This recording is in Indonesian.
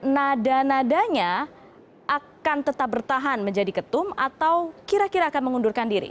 nada nadanya akan tetap bertahan menjadi ketum atau kira kira akan mengundurkan diri